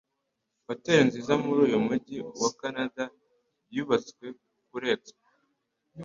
Hotel nziza muri uyu mujyi wa Kanada yubatswe kuri Expo